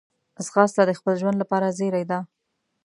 ځغاسته د خپل ژوند لپاره زېری ده